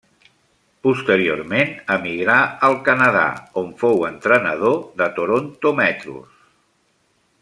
Posteriorment emigrà al Canadà on fou entrenador de Toronto Metros.